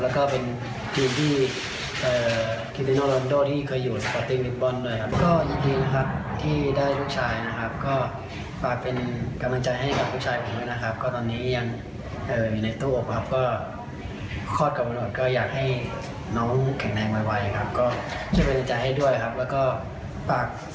แล้วก็ปากสวัสดีปีใหม่แฟนบอลชาวไทยลักษณ์ทีมยีด้วยนะครับ